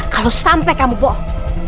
kalau sampai kamu bohong